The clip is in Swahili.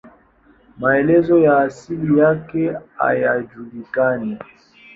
Maelezo ya asili yake hayajulikani.